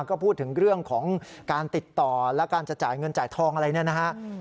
ก็พูดถึงเรื่องของการติดต่อและการจะจ่ายเงินจ่ายทองอะไรเนี่ยนะฮะ